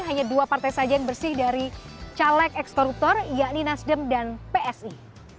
hanya dua partai saja yang bersih dari caleg ekskoruptor yakni nasdem dan psi